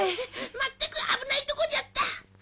「まったく危ないとこじゃった」